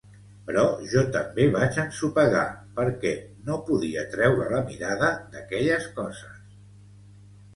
Però jo també vaig ensopegar perquè no podia treure la mirada d'aquelles coses.